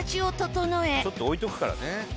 ちょっと置いとくからね。